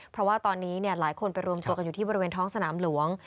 เพราะว่าตอนนี้หลายคนไปรวมตัวกันอยู่ที่บริเวณท้องสนามหลวง